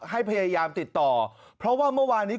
ให้พยายามติดต่อเพราะว่าเมื่อวานนี้